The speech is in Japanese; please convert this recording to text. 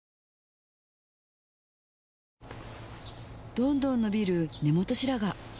どんどん伸びる根元白髪